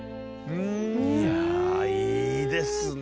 うん！いやいいですね。